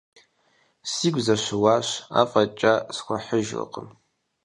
Сигу зэщыуащ, афӀэкӀа схуэхьыжыркъым.